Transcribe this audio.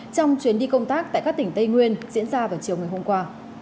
trong chuyến đi công tác tại các tỉnh tây nguyên diễn ra vào chiều ngày hôm qua